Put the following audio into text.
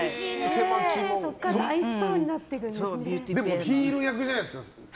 そこからでも、ヒール役じゃないですか。